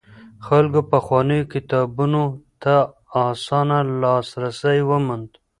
خلکو پخوانيو کتابونو ته اسانه لاسرسی وموند.